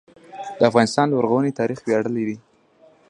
د افغانستان لرغونی تاریخ ویاړلی دی